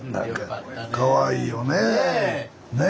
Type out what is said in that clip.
かわいいよねえ。